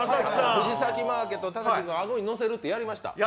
藤崎マーケットの田崎さん、あごにのせるってやってました。